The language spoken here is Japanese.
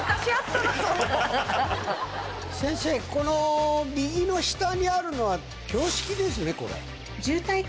先生この右の下にあるのは標識ですねこれ。